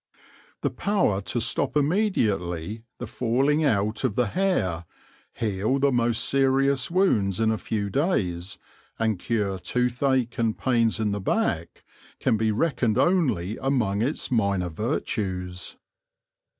The power to stop immediately the falling out of 32 THE LORE OF THE HONEY BEE the hair, heal the most serious wounds in a few days, and cure toothache and pains in the back, can be reckoned only among its minor virtues.